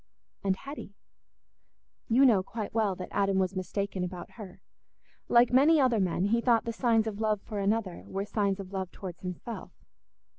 And Hetty? You know quite well that Adam was mistaken about her. Like many other men, he thought the signs of love for another were signs of love towards himself.